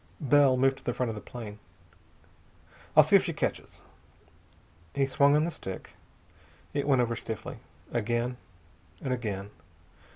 Bell moved to the front of the plane. "I'll see if she catches." He swung on the stick. It went over stiffly. Again, and again.